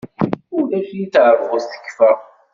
Ulac di teṛbut tekfa.